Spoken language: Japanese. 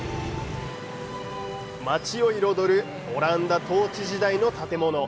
街を彩るオランダ統治時代の建物。